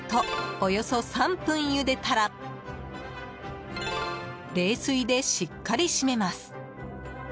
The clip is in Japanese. およそ３分ゆでたら冷水でしっかり締めます。